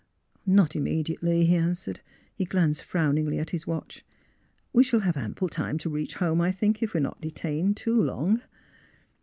"'' Not immediately," he answered. He glanced frowningly at his watch. '' We shall have ample time to reach home, I think, if we are not detained too long."